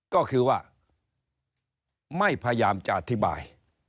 ก็คือว่าไม่พยายามจะอธิบาย